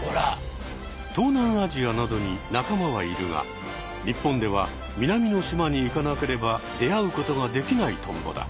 東南アジアなどになかまはいるが日本では南の島に行かなければ出会うことができないトンボだ。